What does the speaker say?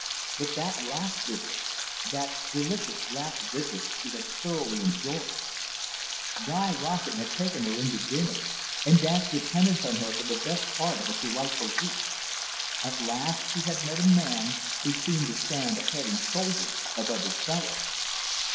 But that last visit, that delicious last visit, she had thoroughly enjoyed. Guy Rossett had taken her into dinner, and danced attendance on her for the best part of a delightful week. At last she had met a man who seemed to stand a head and shoulders above his fellows.